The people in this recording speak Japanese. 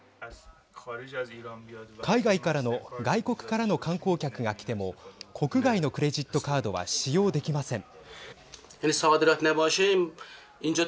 外国からの観光客が来ても国外のクレジットカードは使用できません。